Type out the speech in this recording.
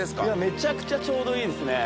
めちゃくちゃちょうどいいです。